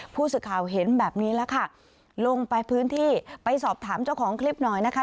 ผู้สื่อข่าวเห็นแบบนี้แล้วค่ะลงไปพื้นที่ไปสอบถามเจ้าของคลิปหน่อยนะคะ